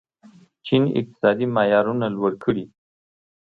چین اقتصادي معیارونه لوړ کړي.